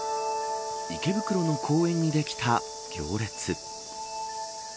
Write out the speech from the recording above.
池袋の公園にできた行列。